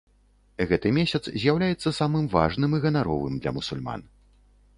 Гэты месяц з'яўляецца самым важным і ганаровым для мусульман.